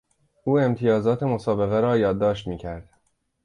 او امتیازات مسابقه را یادداشت میکرد.